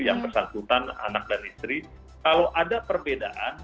yang bersangkutan anak dan istri kalau ada perbedaan